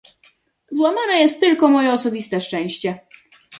"Złamane jest tylko moje osobiste szczęście."